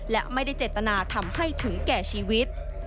และไม่ได้เจตนาทำให้ถึงแก่ชีวิต